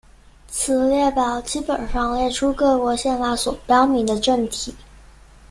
此列表基本上列出各国宪法所表明的政体。